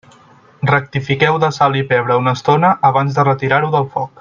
Rectifiqueu de sal i pebre una estona abans de retirar-ho del foc.